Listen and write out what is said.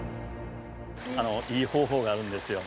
あのいい方法があるんですよ。